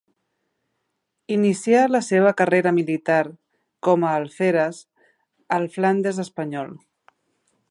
Inicià la seva carrera militar com a alferes al Flandes Espanyol.